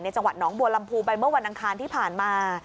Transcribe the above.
จังหวัดหนองบัวลำพูไปเมื่อวันอังคารที่ผ่านมา